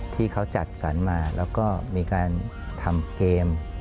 ที่เขาจัดสรรมาแล้วก็มีการทำเกม